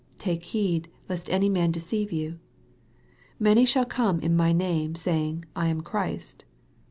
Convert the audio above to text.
" Take heed lest any man deceive you. Many shall come in my name, saying, I am Christ."